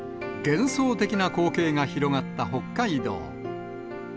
幻想的な光景が広がった北海道。